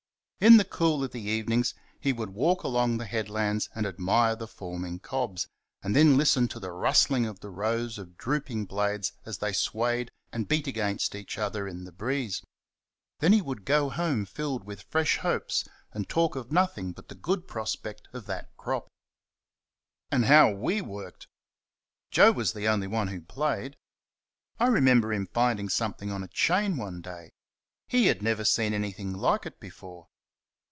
In the cool of the evenings he would walk along the headlands and admire the forming cobs, and listen to the rustling of the rows of drooping blades as they swayed and beat against each other in the breeze. Then he would go home filled with fresh hopes and talk of nothing but the good prospect of that crop. And how we worked! Joe was the only one who played. I remember him finding something on a chain one day. He had never seen anything like it before.